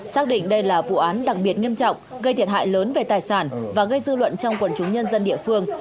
xác định đây là vụ án đặc biệt nghiêm trọng gây thiệt hại lớn về tài sản và gây dư luận trong quần chúng nhân dân địa phương